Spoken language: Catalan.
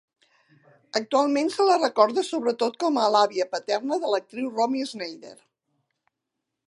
Actualment se la recorda sobretot com a l'àvia paterna de l'actriu Romy Schneider.